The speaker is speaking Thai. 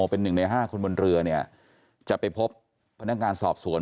เป็นหนึ่งใน๕คนบนเรือเนี่ยจะไปพบพนักงานสอบสวน